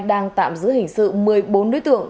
đang tạm giữ hình sự một mươi bốn đối tượng